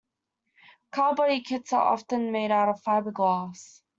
Car body kits are often made out of fiberglass.